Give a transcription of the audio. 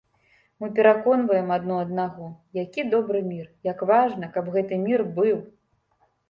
Мы пераконваем адно аднаго, які добры мір, як важна, каб гэты мір быў.